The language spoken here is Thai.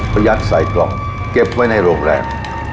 ยัดใส่กล่องเก็บไว้ในโรงแรม